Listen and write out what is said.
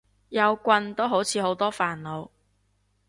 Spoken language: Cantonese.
有棍都好似好多煩惱